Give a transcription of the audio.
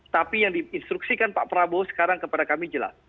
tapi yang diinstruksikan pak prabowo sekarang kepada kami jelas